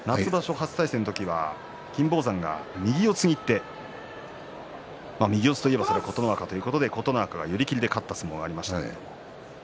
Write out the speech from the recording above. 初対戦は金峰山が右四つにいって右四つといえば琴ノ若ということで琴ノ若が寄り切りで勝ちました。